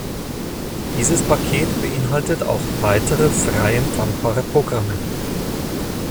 Dieses Paket beinhaltet auch weitere frei empfangbare Programme.